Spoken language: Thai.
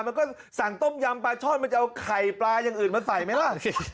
มันก็สั่งต้มยำปลาช่อนมันจะเอาไข่ปลาอย่างอื่นมาใส่ไหมล่ะ